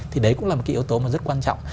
thì đấy cũng là một yếu tố rất quan trọng